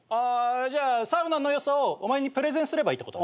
じゃあサウナのよさをお前にプレゼンすればいいってこと？